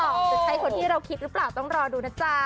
จะใช่คนที่เราคิดหรือเปล่าต้องรอดูนะจ๊ะ